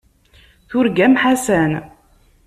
Turgam Ḥasan.